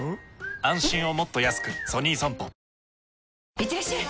いってらっしゃい！